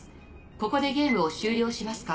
ここでゲームを終了しますか？